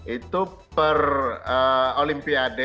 itu per olimpiade